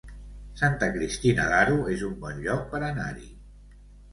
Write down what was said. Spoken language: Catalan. Santa Cristina d'Aro es un bon lloc per anar-hi